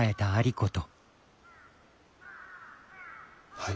はい。